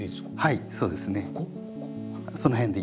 はい。